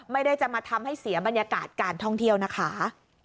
ไม่ได้จะมาทำให้เสียบรรยากาศการท่องเที่ยวนะคะ